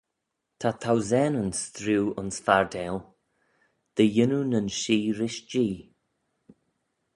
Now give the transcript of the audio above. Ta thousaneyn streeu ayns fardail, dy yannoo nyn shee rish Jee.